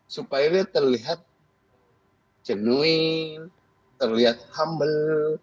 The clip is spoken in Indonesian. supaya dia terlihat jenuin terlihat humble